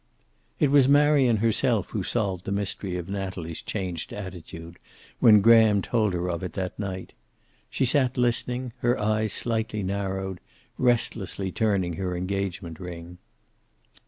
It was Marion herself who solved the mystery of Natalie's changed attitude, when Graham told of it that night. She sat listening, her eyes slightly narrowed, restlessly turning her engagement ring.